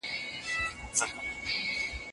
ملا په تیاره کې سترګې پټې کړې.